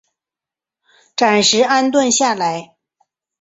暂时安顿下来